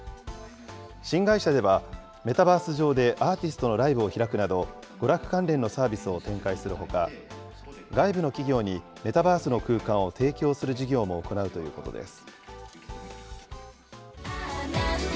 新会社ではメタバース上でアーティストのライブを開くなど、娯楽関連のサービスを展開するほか、外部の企業にメタバースの空間を提供する事業も行うということです。